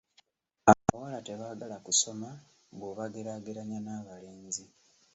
Abawala tebaagala kusoma bw'obageraageranya n'abalenzi.